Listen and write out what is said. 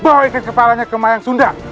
bawa ikan kepalanya ke mayang sunda